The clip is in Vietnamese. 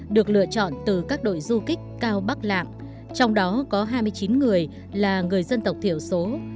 được lựa chọn từ các đội du kích cao bắc lạng trong đó có hai mươi chín người là người dân tộc thiểu số